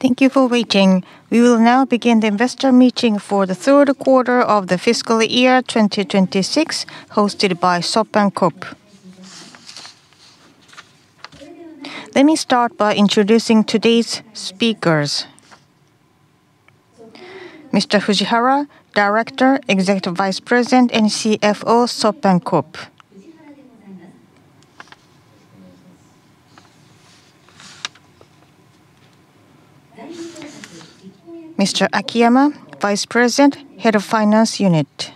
Thank you for waiting. We will now begin the investor meeting for the Third Quarter of the Fiscal Year 2026, hosted by SoftBank Corp. Let me start by introducing today's speakers. Mr. Fujihara, Director, Executive Vice President, and CFO SoftBank Corp. Mr. Akiyama, Vice President, Head of Finance Unit.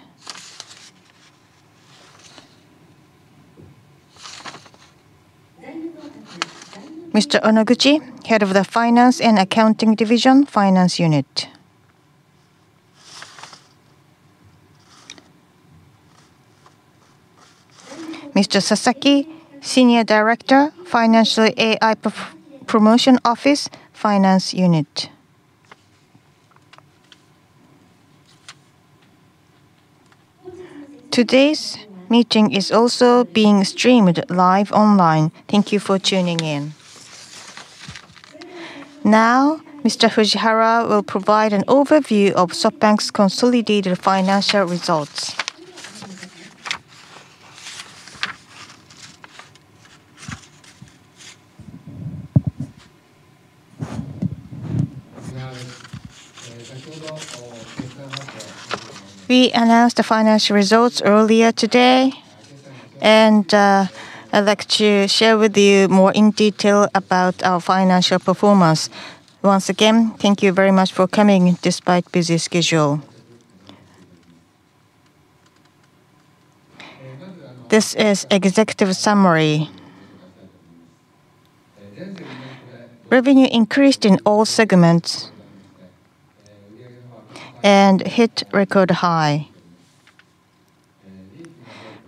Mr. Onoguchi, Head of the Finance and Accounting Division, Finance Unit. Mr. Sasaki, Senior Director, Financial AI Promotion Office, Finance Unit. Today's meeting is also being streamed live online. Thank you for tuning in. Now, Mr. Fujihara will provide an overview of SoftBank's consolidated financial results. We announced the financial results earlier today, and I'd like to share with you more in detail about our financial performance. Once again, thank you very much for coming despite busy schedule. This is the executive summary. Revenue increased in all segments, and it hit record high.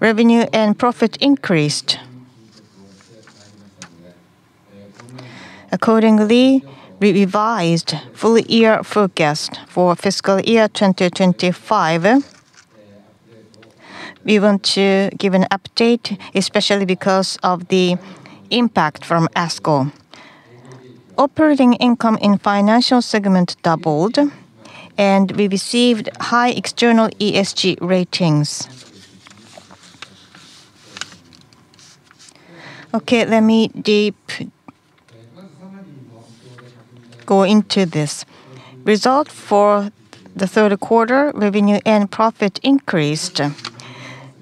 Revenue and profit increased. Accordingly, we revised the full-year forecast for fiscal year 2025. We want to give an update, especially because of the impact from ASKUL. Operating income in financial segment doubled, and we received high external ESG ratings. Okay, let me go into this. Result for the third quarter: revenue and profit increased.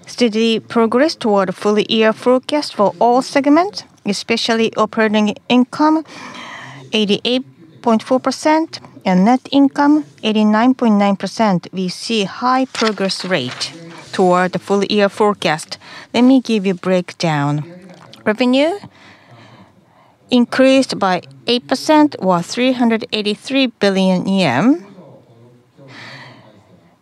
Steady progressed toward full-year forecast for all segments, especially operating income 88.4% and net income 89.9%. We see a high progress rate toward the full-year forecast. Let me give you a breakdown. Revenue increased by 8%, was 383 billion yen.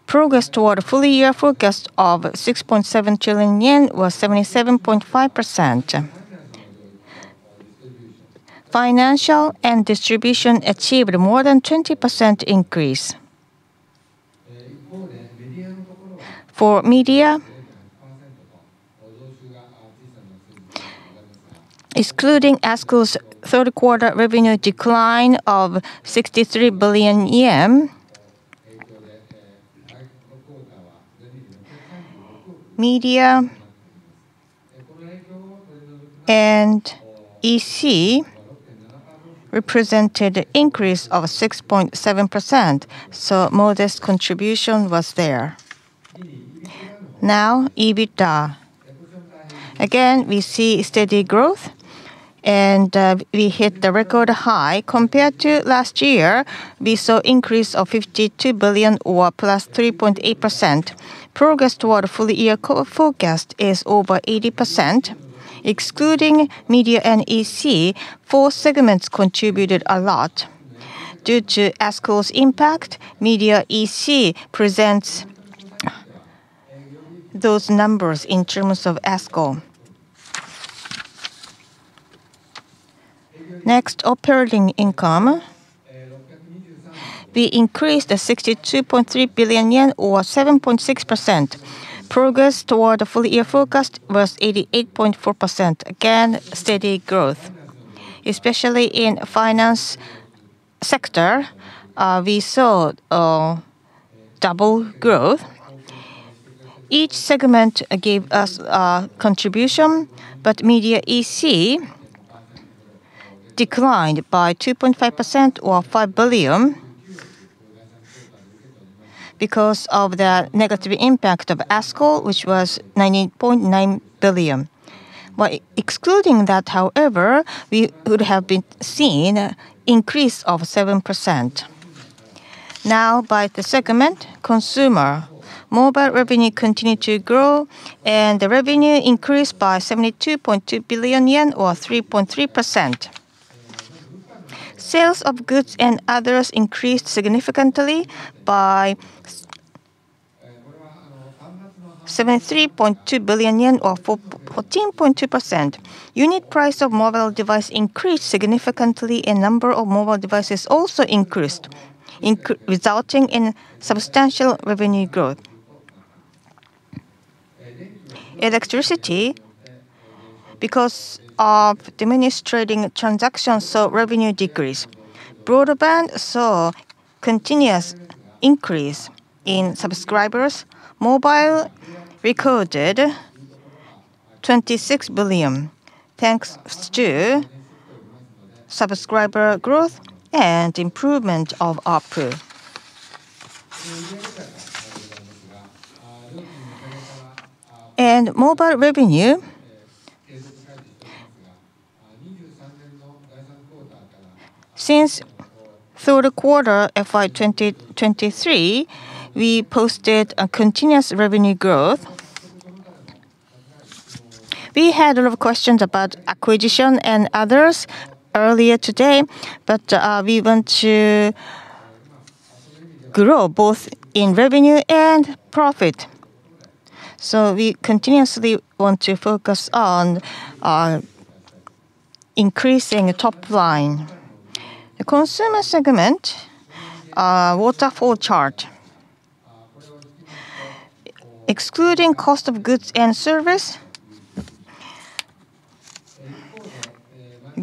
Progress toward the full-year forecast of 6.7 trillion yen was 77.5%. Financial and distribution achieved a more than 20% increase. For media. Excluding ASKUL's third-quarter revenue decline of 63 billion yen, media represented an increase of 6.7%. So modest contribution was there. Now, EBITDA. Again, we see steady growth, and we hit the record high. Compared to last year, we saw an increase of 52 billion or +3.8%. Progress toward the full-year forecast is over 80%. Excluding media and EC, four segments contributed a lot. Due to ASKUL's impact, media EC presents those numbers in terms of ASKUL. Next, operating income. We increased at 62.3 billion yen or 7.6%. Progress toward the full-year forecast was 88.4%. Again, steady growth. Especially in the finance sector, we saw double growth. Each segment gave us a contribution, but media EC declined by 2.5% or 5 billion because of the negative impact of ASKUL, which was 98.9 billion. Excluding that, however, we would have seen an increase of 7%. Now, by the segment consumer, mobile revenue continued to grow, and the revenue increased by 72.2 billion yen or 3.3%. Sales of goods and others increased significantly by 73.2 billion yen or 14.2%. Unit price of mobile devices increased significantly, and the number of mobile devices also increased, resulting in substantial revenue growth. Electricity, because of diminished trading transactions, saw revenue decrease. Broadband saw a continuous increase in subscribers. Mobile recorded 26 billion, thanks to subscriber growth and improvement of ARPU. And mobile revenue. We had a lot of questions about acquisition and others earlier today, but we want to grow both in revenue and profit. So we continuously want to focus on increasing the top line. The consumer segment, waterfall chart. Excluding cost of goods and services,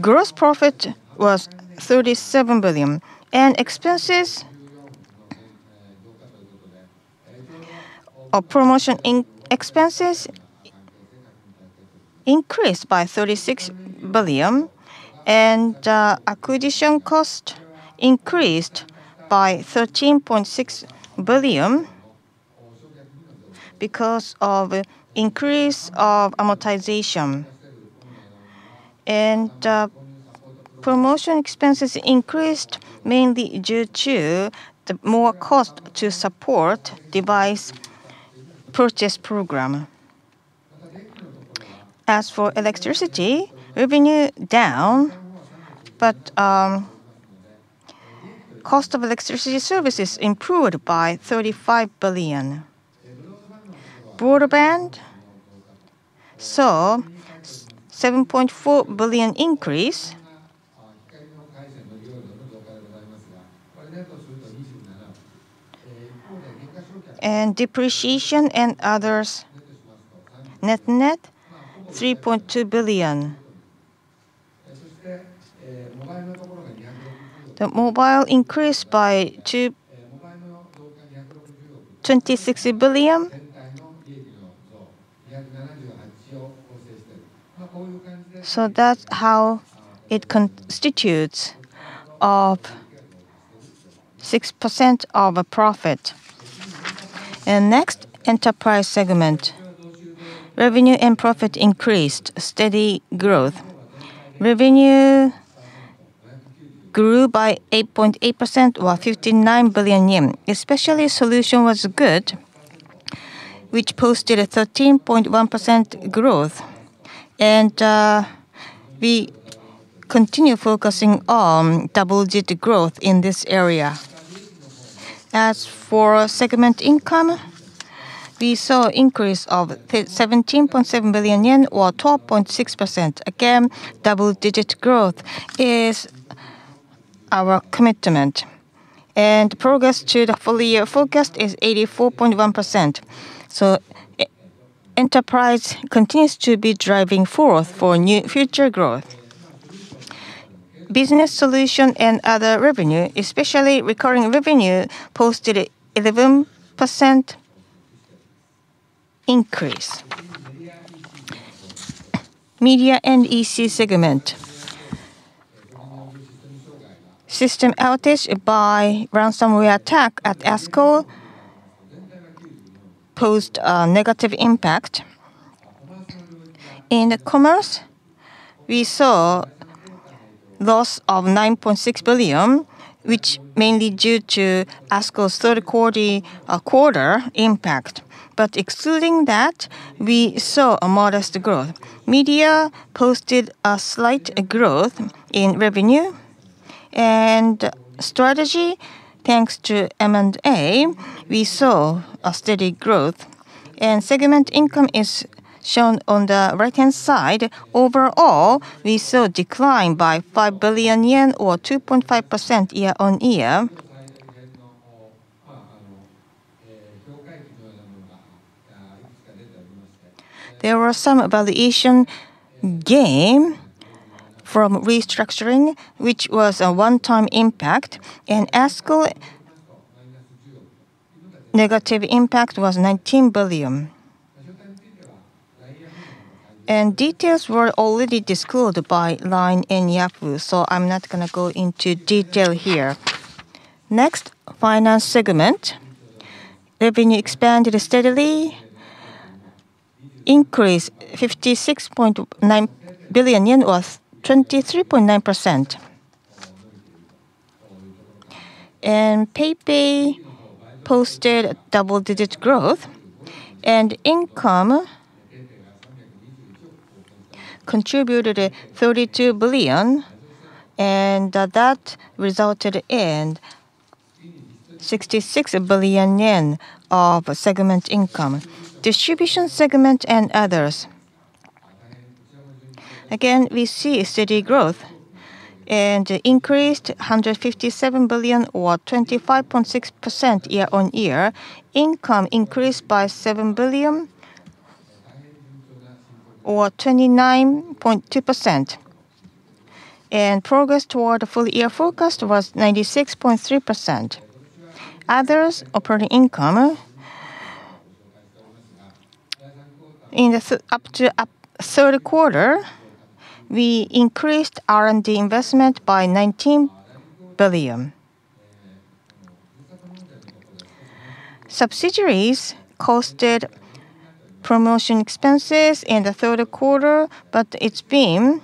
gross profit was 37 billion, and expenses increased by 36 billion, and acquisition costs increased by 13.6 billion because of the increase of amortization. Promotion expenses increased mainly due to the more cost to support the device purchase program. As for electricity, revenue down, but cost of electricity services improved by 35 billion. Broadband saw a 7.4 billion increase. Depreciation and others. Net-net, 3.2 billion. Mobile increased by 26 billion. 278 too. So that's how it constitutes 6% of profit. Next, enterprise segment. Revenue and profit increased, steady growth. Revenue grew by 8.8% or 59 billion yen. Especially solutions were good, which posted a 13.1% growth, and we continue focusing on double-digit growth in this area. As for segment income, we saw an increase of 17.7 billion yen or 12.6%. Again, double-digit growth is our commitment. Progress to the full-year forecast is 84.1%. So enterprise continues to be driving forth for future growth. Business solutions and other revenue, especially recurring revenue, posted an 11% increase. Media and EC segment. System outage by a ransomware attack at ASKUL posed a negative impact. In commerce, we saw a loss of 9.6 billion, which is mainly due to ASKUL's third-quarter impact. But excluding that, we saw modest growth. Media posted a slight growth in revenue. Strategy, thanks to M&A, we saw a steady growth. Segment income is shown on the right-hand side. Overall, we saw a decline by 5 billion yen or 2.5% year-on-year. There was some valuation gain from restructuring, which was a one-time impact. And ASKUL. Details were already disclosed by LINE Yahoo, so I'm not going to go into detail here. Next, finance segment. Revenue expanded steadily. Increase of JPY 56.9 billion was 23.9%. PayPay posted double-digit growth. Income contributed 32 billion, and that resulted in 66 billion yen of segment income. Distribution segment and others. Again, we see steady growth and increased 157 billion or 25.6% year-on-year. Income increased by 7 billion or 29.2%. Progress toward the full-year forecast was 96.3%. Others, operating income. In the third quarter, we increased R&D investment by 19 billion. Subsidiaries posted promotion expenses in the third quarter, but it's been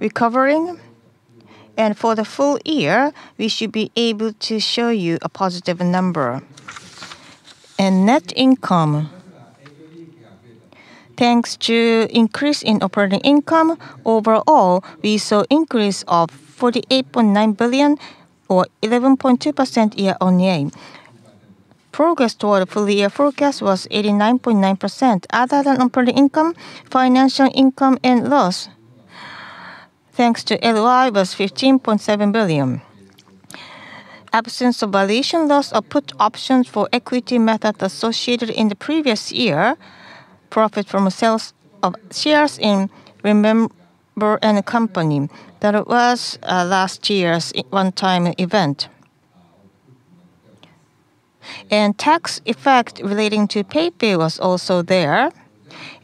recovering. For the full year, we should be able to show you a positive number. Net income. Thanks to the increase in operating income, overall, we saw an increase of 48.9 billion or 11.2% year-on-year. Progress toward the full-year forecast was 89.9%. Other than operating income, financial income and loss, thanks to LY, was 15.7 billion. Absence of valuation loss of put options for equity methods associated in the previous year. Profit from sales of shares in Remember & Company. That was last year's one-time event. Tax effects relating to PayPay were also there.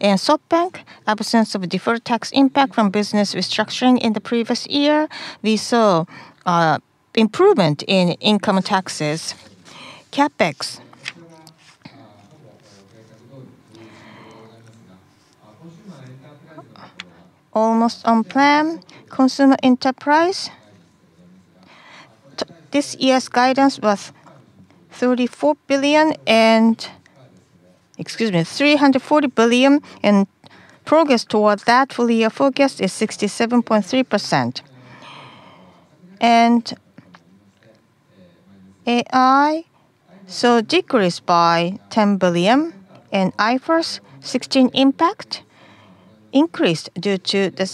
SoftBank, absence of deferred tax impact from business restructuring in the previous year, we saw improvement in income taxes. CapEx. Almost on plan. Consumer enterprise. This year's guidance was 34 billion and progress toward that full-year forecast is 67.3%. AI. So decreased by 10 billion. IFRS 16 impact. Increased due to the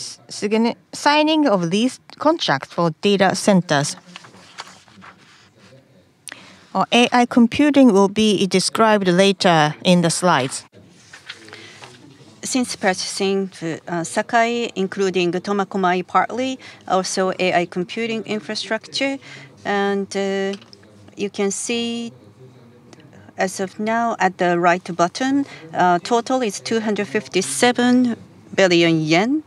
signing of lease contracts for data centers. AI computing will be described later in the slides. Since purchasing Sakai, including Tomakomai partly, also AI computing infrastructure. You can see as of now, at the right button, total is 257 billion yen.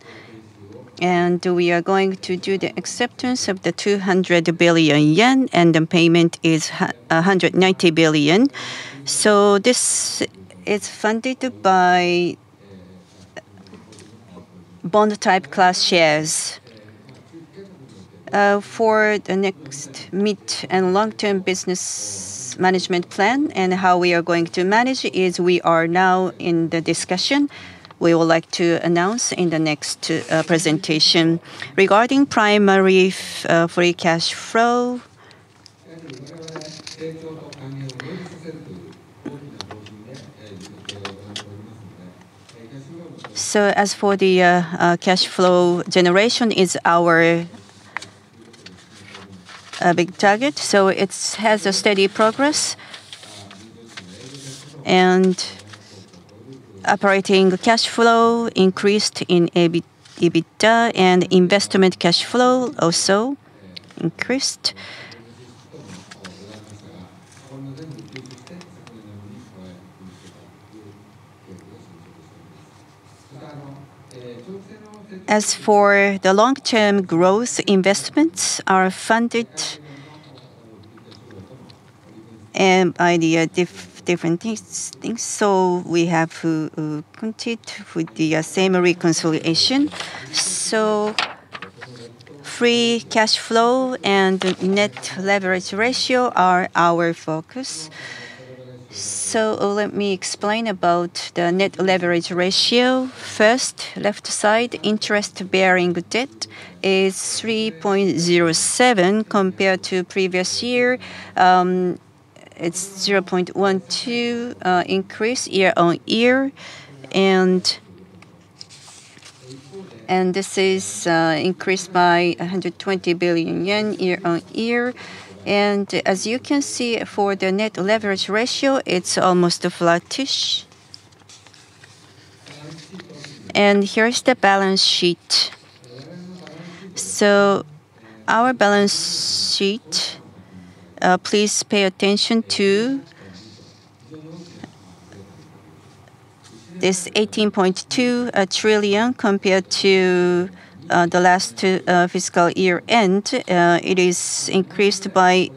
We are going to do the acceptance of the 200 billion yen, and the payment is 190 billion. So this is funded by Bond-type Class Shares for the next mid- and long-term business management plan. And how we are going to manage is we are now in the discussion. We would like to announce in the next presentation regarding primary free cash flow. So as for the cash flow generation is our big target. So it has a steady progress. And operating cash flow increased in EBITDA and investment cash flow also increased. As for the long-term growth investments are funded. And idea, different things. So we have continued with the same reconciliation. So free cash flow and net leverage ratio are our focus. So let me explain about the net leverage ratio. First, left side, interest-bearing debt is 3.07 compared to the previous year. It's 0.12 increased year-over-year. This is increased by 120 billion yen year-over-year. As you can see, for the Net Leverage Ratio, it's almost flattish. Here's the balance sheet. Our balance sheet, please pay attention to. It's 18.2 trillion compared to the last fiscal year-end. It is increased by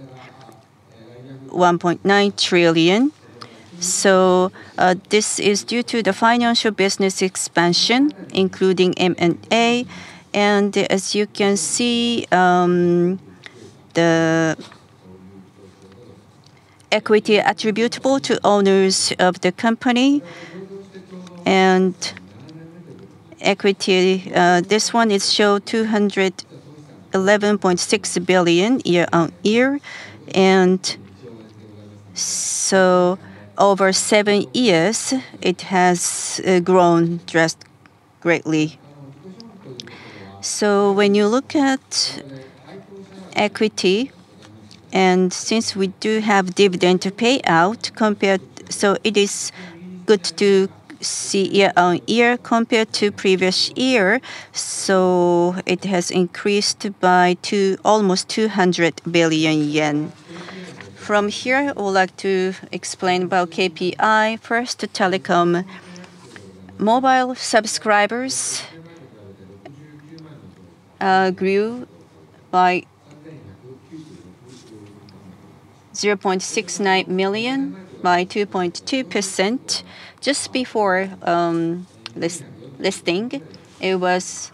1.9 trillion. This is due to the financial business expansion, including M&A. As you can see, the equity attributable to owners of the company and equity, this one shows 211.6 billion year-over-year. Over seven years, it has grown just greatly. When you look at equity, and since we do have dividend payout compared, it is good to see year-over-year compared to the previous year. It has increased by almost 200 billion yen. From here, I would like to explain about KPI. First, telecom. Mobile subscribers grew by 0.69 million by 2.2%. Just before listing, it was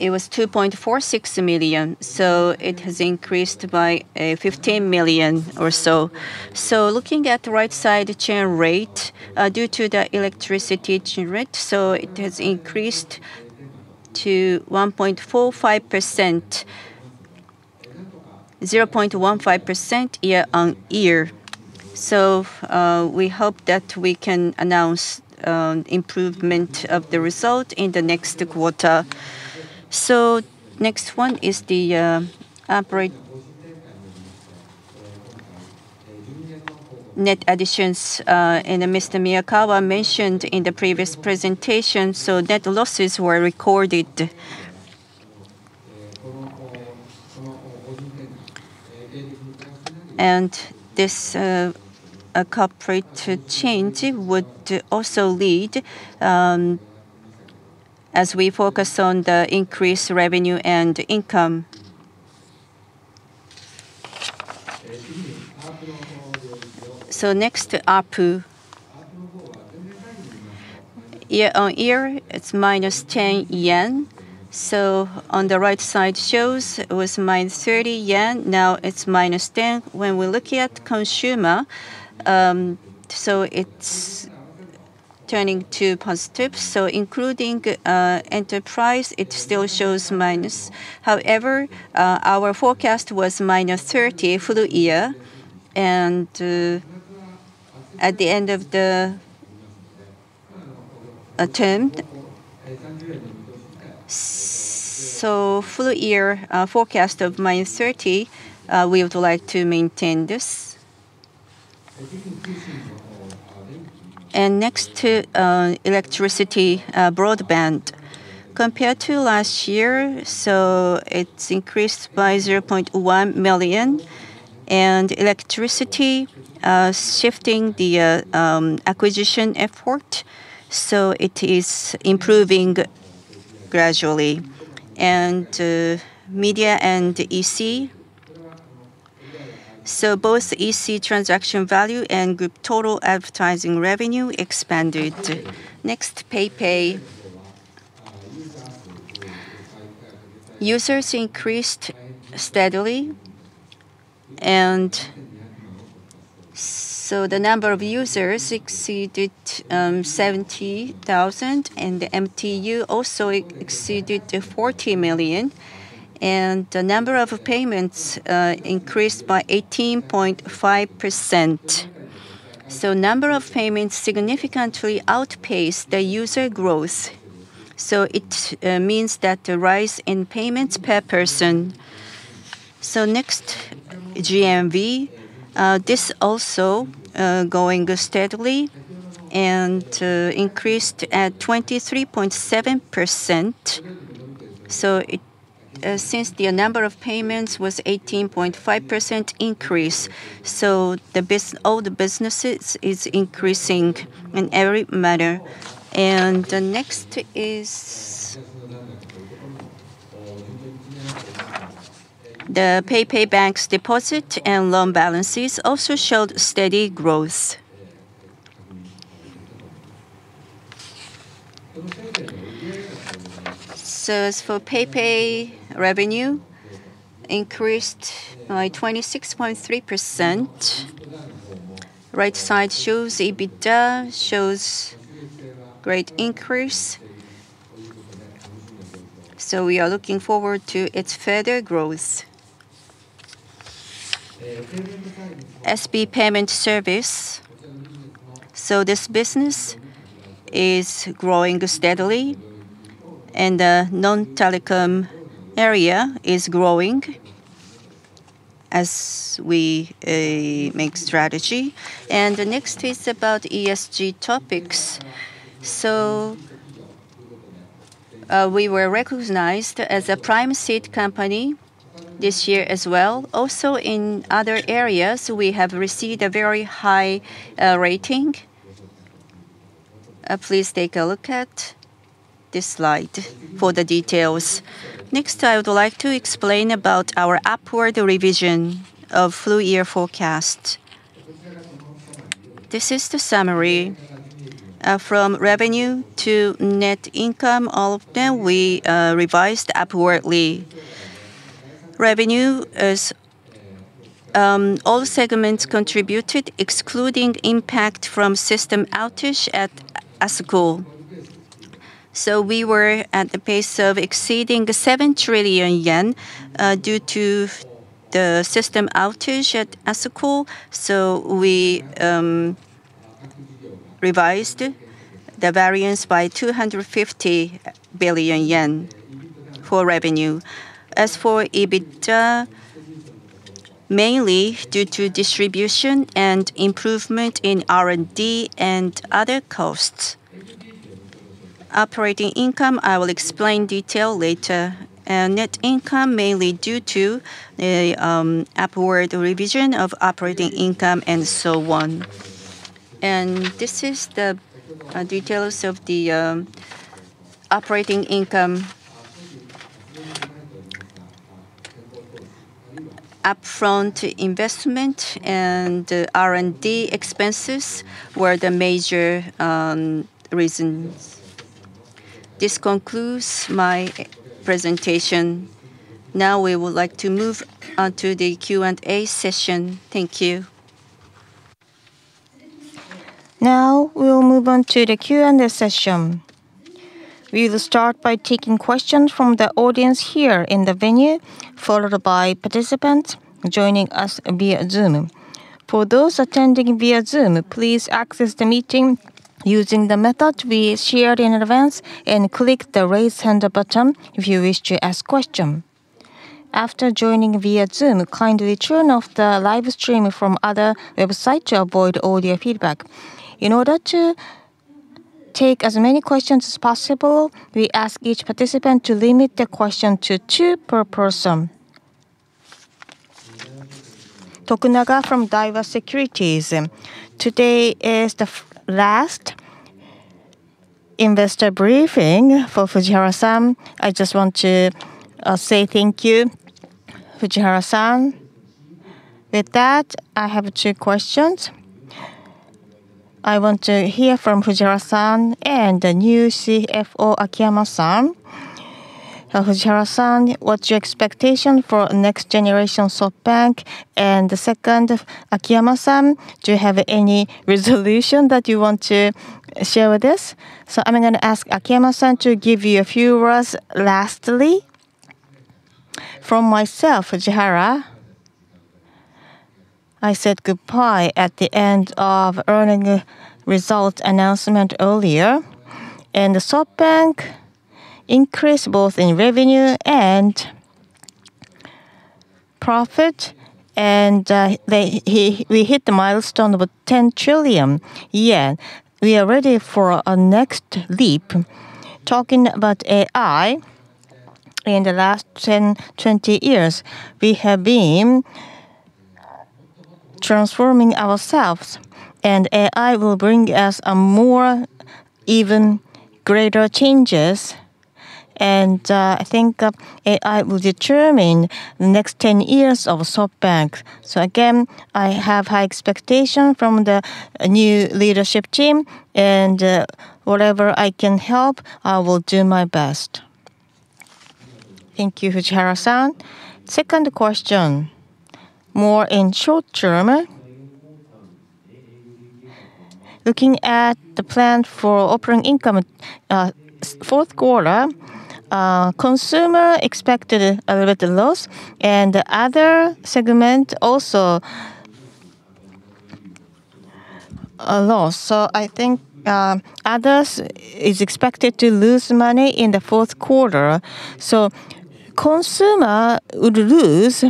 2.46 million. So it has increased by 15 million or so. So looking at the right-side churn rate, due to the electricity churn rate, so it has increased to 1.45%. 0.15% year-on-year. So we hope that we can announce improvement of the result in the next quarter. So next one is the net additions. And Mr. Miyakawa mentioned in the previous presentation, so net losses were recorded. And this corporate change would also lead as we focus on the increased revenue and income. So next, ARPU. Year-on-year, it's minus 10 yen. So on the right side shows, it was minus 30 yen. Now it's minus 10. When we look at consumer, so it's turning to positive. So including enterprise, it still shows minus. However, our forecast was minus 30 full year. At the end of the term. Full year forecast of -30, we would like to maintain this. Next, electricity broadband. Compared to last year, it increased by 0.1 million. Electricity is shifting the acquisition effort. It is improving gradually. Media and EC. Both EC transaction value and group total advertising revenue expanded. Next, PayPay. Users increased steadily. The number of users exceeded 70,000. The MAU also exceeded 40 million. The number of payments increased by 18.5%. Number of payments significantly outpaced the user growth. It means that the rise in payments per person. Next, GMV. This also is going steadily and increased at 23.7%. Since the number of payments was 18.5% increase, all the businesses are increasing in every manner. Next is the PayPay Bank's deposit and loan balances also showed steady growth. So as for PayPay revenue, it increased by 26.3%. Right side shows EBITDA, shows great increase. So we are looking forward to its further growth. SB Payment Service. So this business is growing steadily. And the non-telecom area is growing as we make strategy. And next is about ESG topics. So we were recognized as a prime seed company this year as well. Also in other areas, we have received a very high rating. Please take a look at this slide for the details. Next, I would like to explain about our upward revision of full-year forecast. This is the summary from revenue to net income. All of them we revised upwardly. Revenue. All segments contributed, excluding impact from system outage at ASKUL. So we were at the pace of exceeding 7 trillion yen due to the system outage at ASKUL. So we revised the variance by 250 billion yen for revenue. As for EBITDA, mainly due to distribution and improvement in R&D and other costs. Operating income, I will explain in detail later. Net income, mainly due to the upward revision of operating income and so on. This is the details of the operating income. Upfront investment and R&D expenses were the major reasons. This concludes my presentation. Now we would like to move on to the Q&A session. Thank you. Now we will move on to the Q&A session. We will start by taking questions from the audience here in the venue, followed by participants joining us via Zoom. For those attending via Zoom, please access the meeting using the method we shared in advance and click the raise hand button if you wish to ask a question. After joining via Zoom, kindly turn off the live stream from other websites to avoid audio feedback. In order to take as many questions as possible, we ask each participant to limit their questions to two per person. Tokunaga from Daiwa Securities. Today is the last investor briefing for Fujihara-san. I just want to say thank you, Fujihara-san. With that, I have two questions. I want to hear from Fujihara-san and the new CFO, Akiyama-san. Fujihara-san, what's your expectation for next-generation SoftBank? And second, Akiyama-san, do you have any resolution that you want to share with us? So I'm going to ask Akiyama-san to give you a few words. Lastly, from myself, Fujihara, I said goodbye at the end of earnings result announcement earlier. The SoftBank increased both in revenue and profit. We hit the milestone of 10 trillion yen. We are ready for our next leap. Talking about AI, in the last 10, 20 years, we have been transforming ourselves. AI will bring us even greater changes. I think AI will determine the next 10 years of SoftBank. So again, I have high expectations from the new leadership team. Whatever I can help, I will do my best. Thank you, Fujihara-san. Second question. More in short term. Looking at the plan for operating income fourth quarter, Consumer expected a little bit of loss. The Other segment also a loss. I think Others are expected to lose money in the fourth quarter. So consumer would lose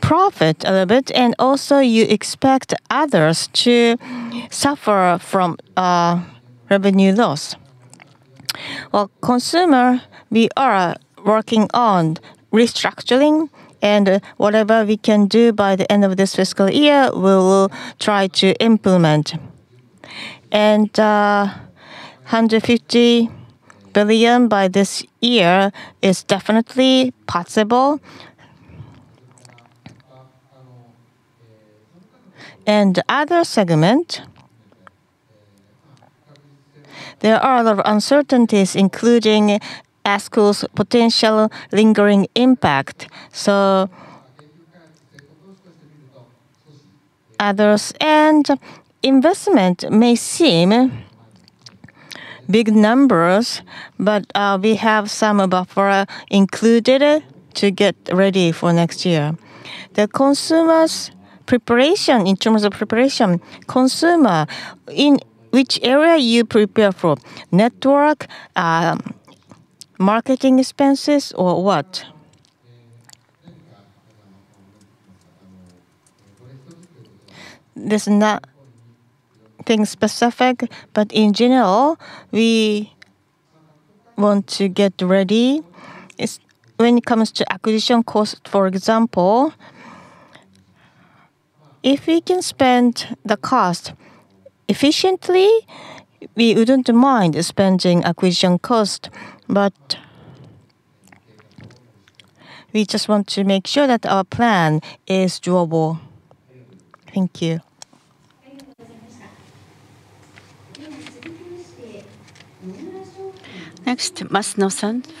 profit a little bit. And also you expect others to suffer from revenue loss. Well, consumer, we are working on restructuring. And whatever we can do by the end of this fiscal year, we will try to implement. And 150 billion by this year is definitely possible. And the other segment, there are a lot of uncertainties, including ASKUL's potential lingering impact. So others and investment may seem big numbers, but we have some buffer included to get ready for next year. The consumer's preparation in terms of preparation, consumer, in which area you prepare for? Network, marketing expenses, or what? This is not a thing specific, but in general, we want to get ready. When it comes to acquisition cost, for example, if we can spend the cost efficiently, we wouldn't mind spending acquisition cost. We just want to make sure that our plan is doable. Thank you. Next, Masuno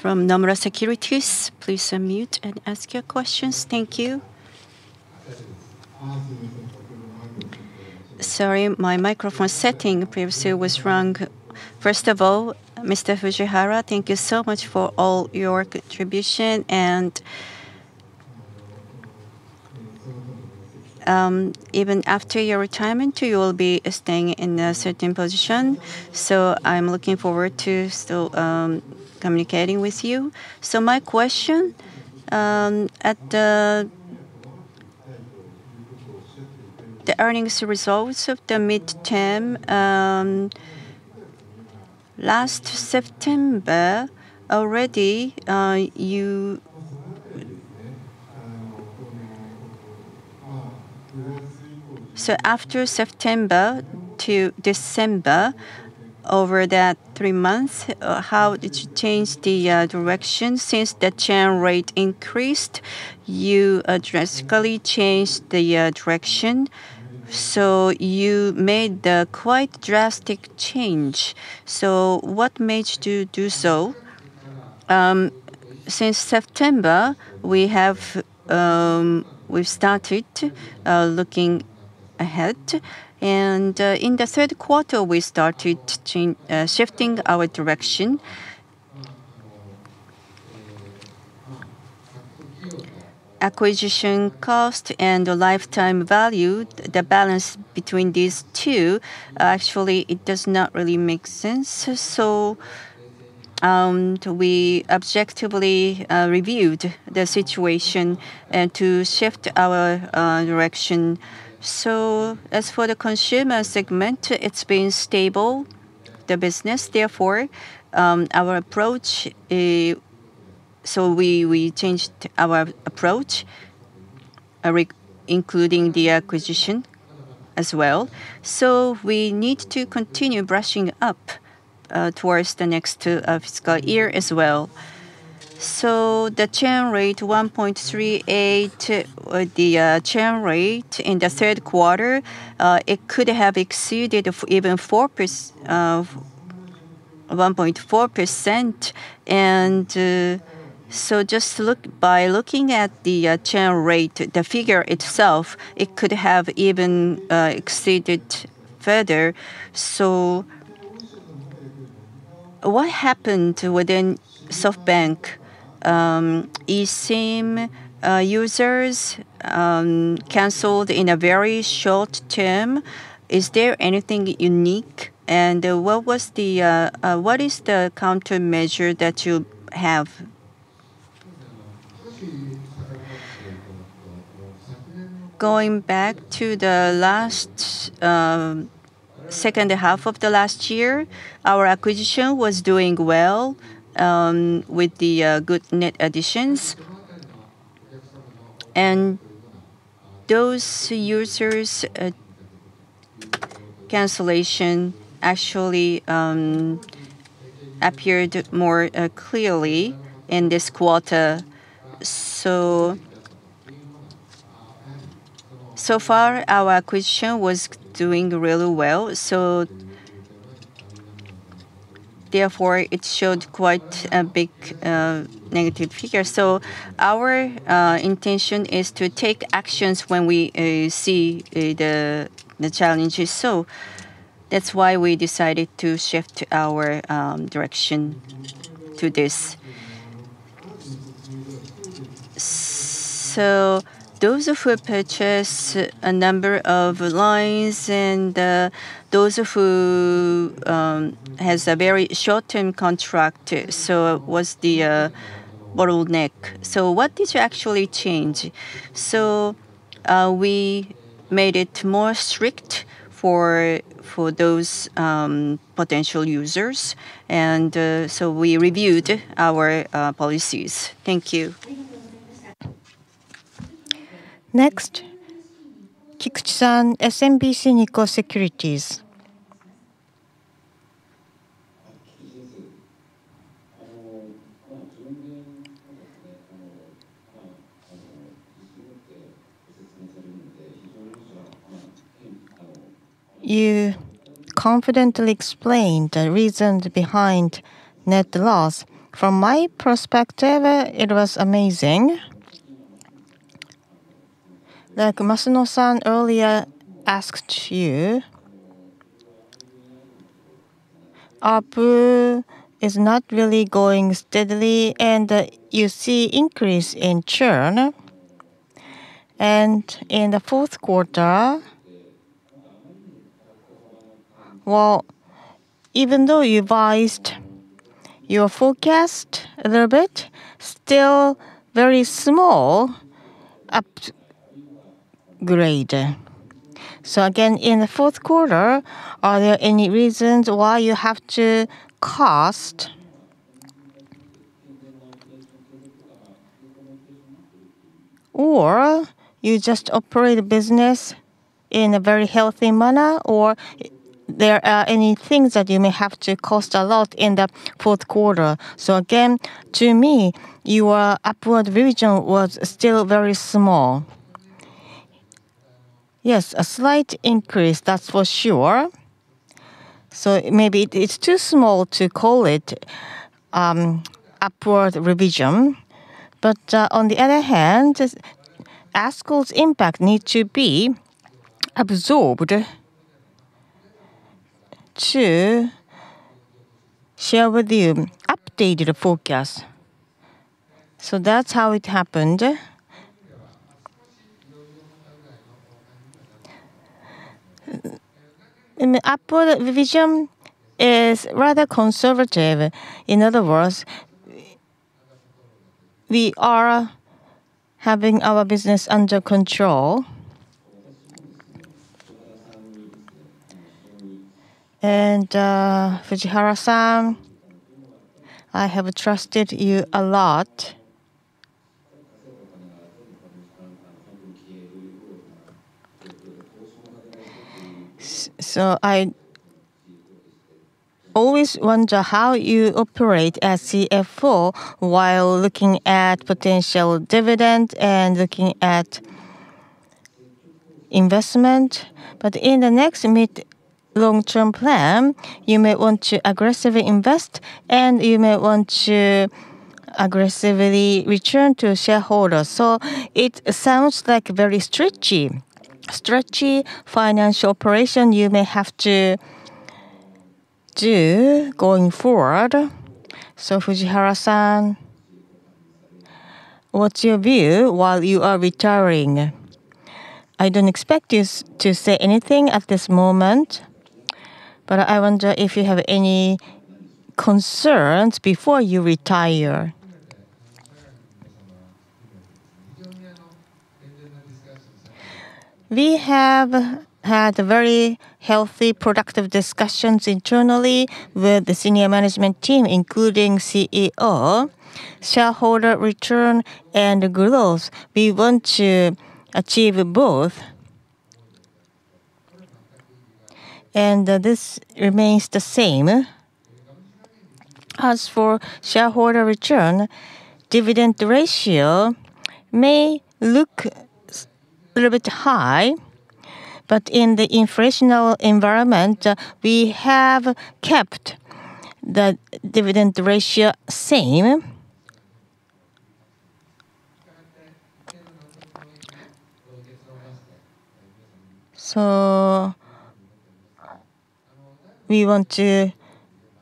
from Nomura Securities. Please unmute and ask your questions. Thank you. Sorry, my microphone setting previously was wrong. First of all, Mr. Fujihara, thank you so much for all your contribution. Even after your retirement, you will be staying in a certain position. So I'm looking forward to still communicating with you. So my question, the earnings results of the midterm last September, already you. So after September to December, over that three months, how did you change the direction? Since the churn rate increased, you drastically changed the direction. So you made quite a drastic change. So what made you do so? Since September, we've started looking ahead. In the third quarter, we started shifting our direction. Acquisition cost and lifetime value, the balance between these two, actually, it does not really make sense. We objectively reviewed the situation to shift our direction. As for the consumer segment, it's been stable, the business. Therefore, our approach, we changed our approach, including the acquisition as well. We need to continue brushing up towards the next fiscal year as well. The churn rate, 1.38, the churn rate in the third quarter, it could have exceeded even 1.4%. Just by looking at the churn rate, the figure itself, it could have even exceeded further. What happened within SoftBank? eSIM users canceled in a very short term. Is there anything unique? What is the countermeasure that you have? Going back to the last second half of the last year, our acquisition was doing well with the good net additions. Those users, cancellation actually appeared more clearly in this quarter. So far, our acquisition was doing really well. So therefore, it showed quite a big negative figure. So our intention is to take actions when we see the challenges. So that's why we decided to shift our direction to this. So those who purchased a number of lines and those who have a very short-term contract, so it was the bottleneck. So what did you actually change? So we made it more strict for those potential users. And so we reviewed our policies. Thank you. Next, Kikuchi-san, SMBC Nikko Securities. You confidently explained the reasons behind net loss. From my perspective, it was amazing. Like Masuno-san earlier asked you, ARPU is not really going steadily. And you see increase in churn. In the fourth quarter, well, even though you revised your forecast a little bit, still very small upgrade. So again, in the fourth quarter, are there any reasons why you have to cost? Or you just operate a business in a very healthy manner? Or there are any things that you may have to cost a lot in the fourth quarter? So again, to me, your upward revision was still very small. Yes, a slight increase, that's for sure. So maybe it's too small to call it upward revision. But on the other hand, ASKUL's impact needs to be absorbed to share with you. Updated forecast. So that's how it happened. Upward revision is rather conservative. In other words, we are having our business under control. And Fujihara-san, I have trusted you a lot. So I always wonder how you operate as CFO while looking at potential dividend and looking at investment. But in the next mid-long-term plan, you may want to aggressively invest. And you may want to aggressively return to shareholders. So it sounds like a very stretchy, stretchy financial operation you may have to do going forward. So Fujihara-san, what's your view while you are retiring? I don't expect you to say anything at this moment. But I wonder if you have any concerns before you retire. We have had very healthy, productive discussions internally with the senior management team, including CEO. Shareholder return and growth, we want to achieve both. And this remains the same. As for shareholder return, dividend ratio may look a little bit high. But in the inflationary environment, we have kept the dividend ratio same. So we want to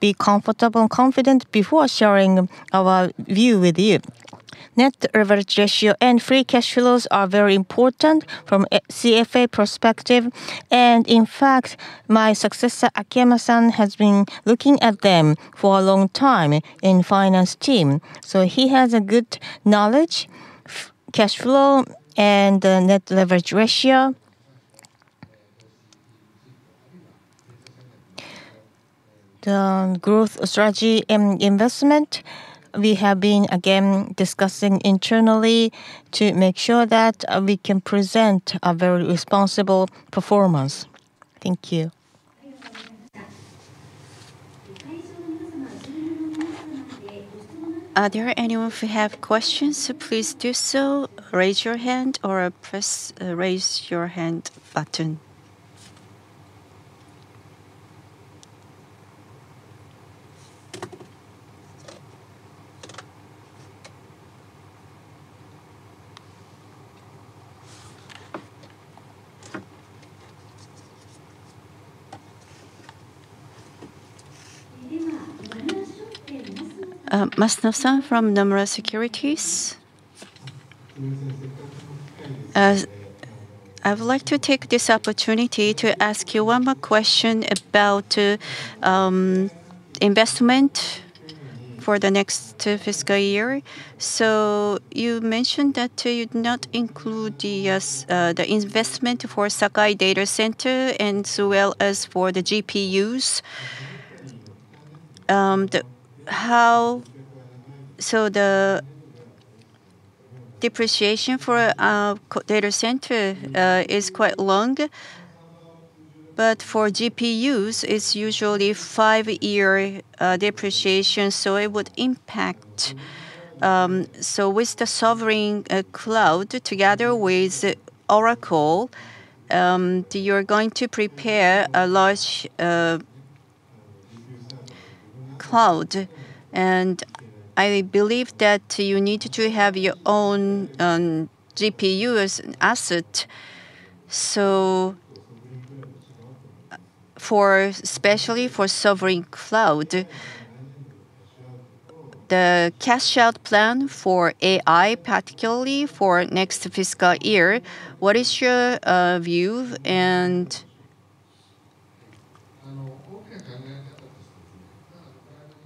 be comfortable and confident before sharing our view with you. Net leverage ratio and free cash flows are very important from a CFA perspective. In fact, my successor, Akiyama-san, has been looking at them for a long time in the finance team. He has good knowledge, cash flow, and net leverage ratio. The growth strategy and investment, we have been again discussing internally to make sure that we can present a very responsible performance. Thank you. Are there anyone who have questions? Please do so. Raise your hand or press raise your hand button. Masuno-san from Nomura Securities. I would like to take this opportunity to ask you one more question about investment for the next fiscal year. You mentioned that you did not include the investment for Sakai Data Center as well as for the GPUs. So the depreciation for data center is quite long. But for GPUs, it's usually a five-year depreciation. So it would impact. So with the Sovereign Cloud together with Oracle, you're going to prepare a large cloud. And I believe that you need to have your own GPU as an asset. So especially for Sovereign Cloud, the cash-out plan for AI, particularly for next fiscal year, what is your view?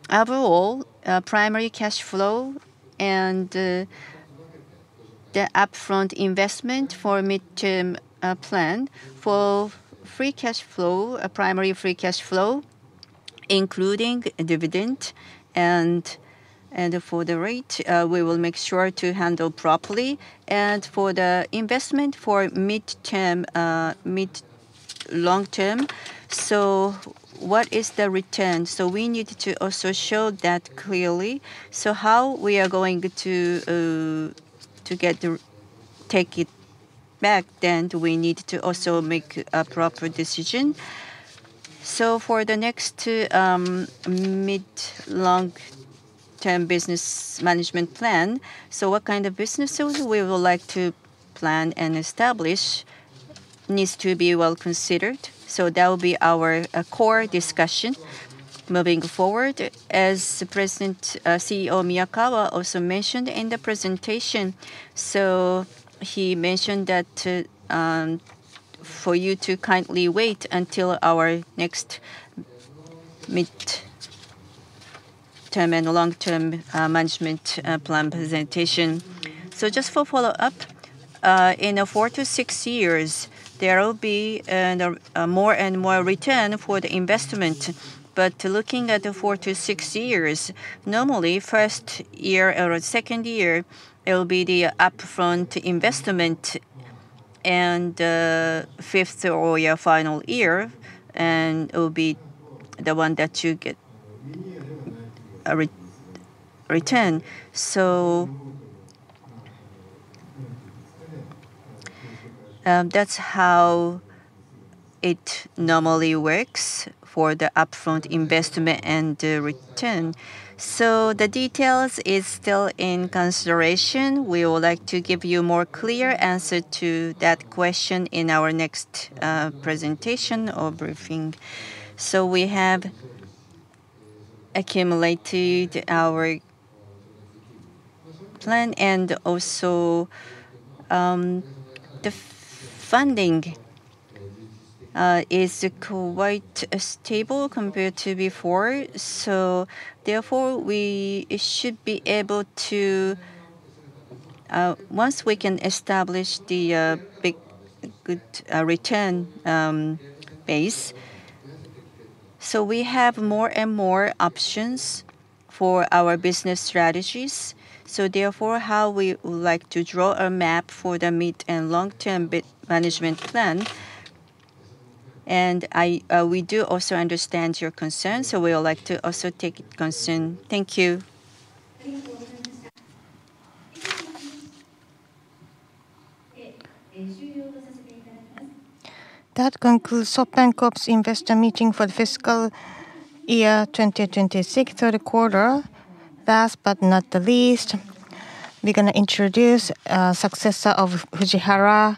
And overall, primary cash flow and the upfront investment for midterm plan for free cash flow, primary free cash flow, including dividend. And for the rate, we will make sure to handle properly. And for the investment for midterm, mid-long-term, so what is the return? So we need to also show that clearly. So how we are going to take it back, then we need to also make a proper decision. For the next mid-long-term business management plan, what kind of businesses we would like to plan and establish needs to be well considered. That will be our core discussion moving forward. As President and CEO Miyakawa also mentioned in the presentation, he mentioned that for you to kindly wait until our next midterm and long-term management plan presentation. Just for follow-up, in four to six years, there will be more and more return for the investment. But looking at the four to six years, normally first year or second year, it will be the upfront investment. And fifth or final year, and it will be the one that you get a return. That's how it normally works for the upfront investment and the return. The details are still in consideration. We would like to give you a more clear answer to that question in our next presentation or briefing. So we have accumulated our plan. And also the funding is quite stable compared to before. So therefore, we should be able to, once we can establish the good return base, so we have more and more options for our business strategies. So therefore, how we would like to draw a map for the mid- and long-term management plan. And we do also understand your concerns. So we would like to also take concern. Thank you. That concludes SoftBank Corp's investor meeting for the fiscal year 2026 third quarter. Last but not the least, we're going to introduce the successor of Fujihara,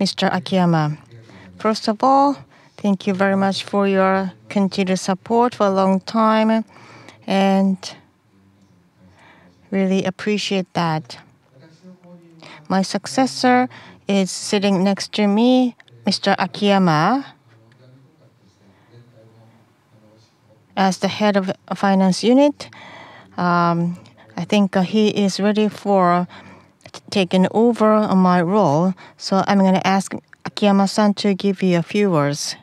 Mr. Akiyama. First of all, thank you very much for your continued support for a long time. And I really appreciate that. My successor is sitting next to me, Mr. Akiyama, as the head of finance unit. I think he is ready for taking over my role. So I'm going to ask Akiyama-san to give you a few words.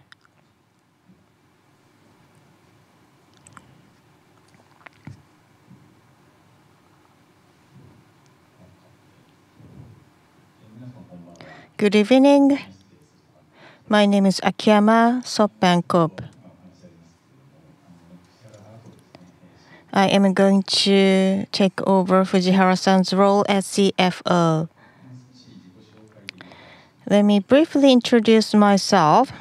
I am going to take over Fujihara-san's role as CFO. Let me briefly introduce myself.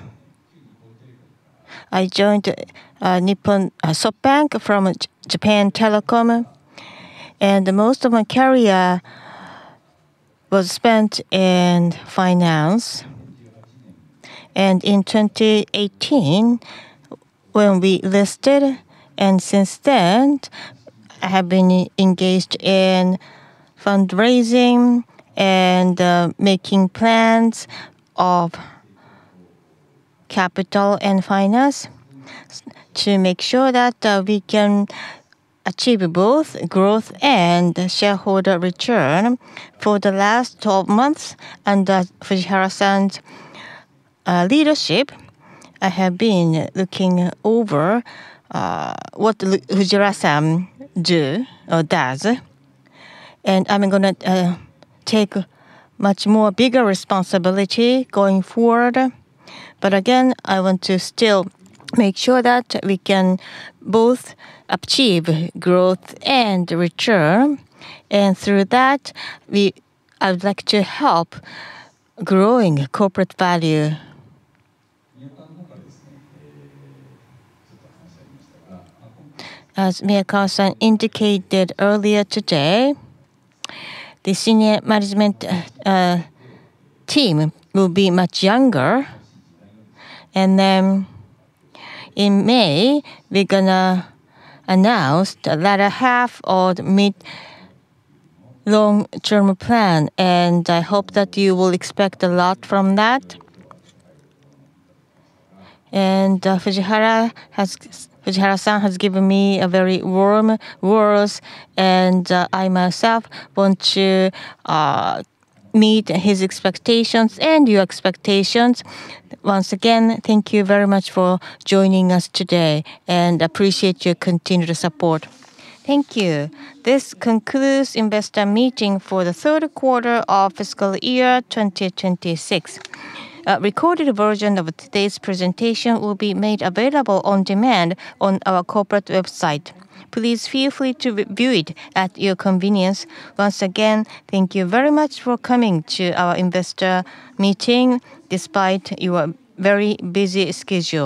I joined SoftBank from Japan Telecom. Most of my career was spent in finance. In 2018, when we listed, and since then, I have been engaged in fundraising and making plans of capital and finance to make sure that we can achieve both growth and shareholder return. For the last 12 months under Fujihara-san's leadership, I have been looking over what Fujihara-san does or does. I'm going to take much more bigger responsibility going forward. Again, I want to still make sure that we can both achieve growth and return. And through that, I would like to help growing corporate value. As Miyakawa-san indicated earlier today, the senior management team will be much younger. In May, we're going to announce the latter half of the mid-long-term plan. I hope that you will expect a lot from that. Fujihara-san has given me very warm words. I myself want to meet his expectations and your expectations. Once again, thank you very much for joining us today. I appreciate your continued support. Thank you. This concludes the investor meeting for the third quarter of fiscal year 2026. A recorded version of today's presentation will be made available on demand on our corporate website. Please feel free to view it at your convenience. Once again, thank you very much for coming to our investor meeting despite your very busy schedule.